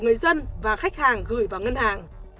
người dân và khách hàng gửi vào ngân hàng